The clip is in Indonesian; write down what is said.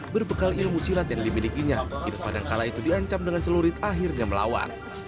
berbekal ilmu silat yang dimilikinya irfan yang kala itu diancam dengan celurit akhirnya melawan